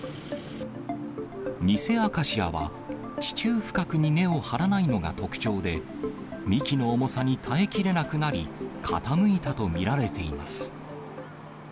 ニセアカシアは、地中深くに根を張らないのが特徴で、幹の重さに耐えきれなくなり、傾いたと見られています。